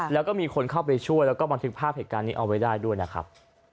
แล้วก็มีคนเข้าไปช่วยแล้วก็บันทึกภาพเหตุการณ์นี้เอาไว้ได้ด้วยนะครับ